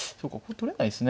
取れないですね。